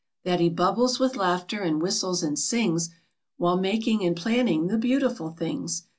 That he bubbles with laughter, and whistles and sings, While making and planning the beautiful things.